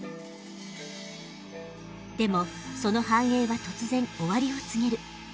でもその繁栄は突然終わりを告げる。